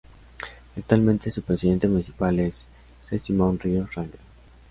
Actualmente su presidente municipal es C. Simón Ríos Rangel.